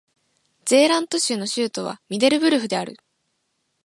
ゼーラント州の州都はミデルブルフである